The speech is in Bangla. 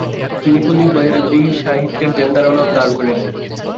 তিনি প্রতীকবাদী সাহিত্যের ধ্যানধারণাও ধার করে আনেন।